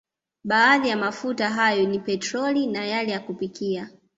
Baadhi ya mafuta hayo ni petroli na yale ya kupikia